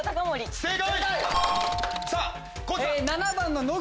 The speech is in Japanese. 正解。